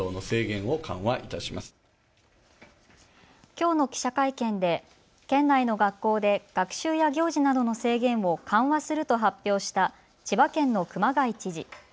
きょうの記者会見で県内の学校で学習や行事などの制限を緩和すると発表した千葉県の熊谷知事。